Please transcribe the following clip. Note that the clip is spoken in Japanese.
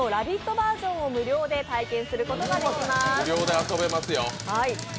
バージョンを無料で体験することができます。